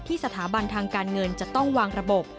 สถาบันทางการเงินจะต้องวางระบบ